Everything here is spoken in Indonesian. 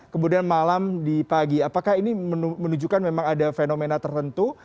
kemudian malam di pagi apakah ini menunjukkan memang ada fenomena tertentu